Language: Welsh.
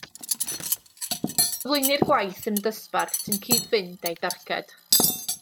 Cyflwynir gwaith yn y dosbarth sy'n cyd-fynd â'i darged